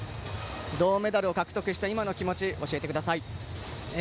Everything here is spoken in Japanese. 銅メダルを獲得した今の気持ち教えてください。